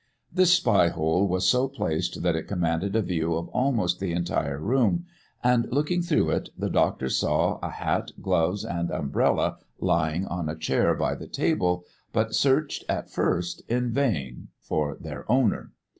This spy hole was so placed that it commanded a view of almost the entire room, and, looking through it, the doctor saw a hat, gloves, and umbrella lying on a chair by the table, but searched at first in vain for their owner.